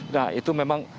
nah itu memang